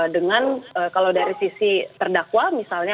dengan kalau dari sisi terdakwa misalnya